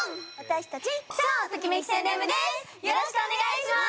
よろしくお願いします！